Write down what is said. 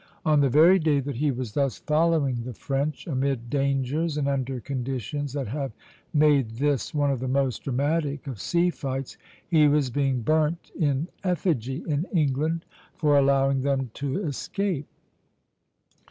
On the very day that he was thus following the French, amid dangers and under conditions that have made this one of the most dramatic of sea fights, he was being burnt in effigy in England for allowing them to escape.